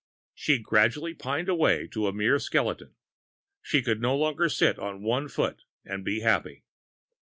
She gradually pined away to a mere skeleton. She could no longer sit on one foot and be happy.